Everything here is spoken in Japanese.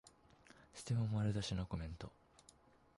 ステマ丸出しのコメント